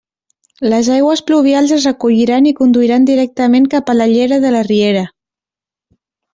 Les aigües pluvials es recolliran i conduiran directament cap a la llera de la riera.